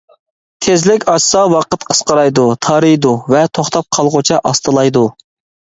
تېزلىك ئاشسا ۋاقىت قىسقىرايدۇ، تارىيىدۇ، ۋە توختاپ قالغۇچە ئاستىلايدۇ.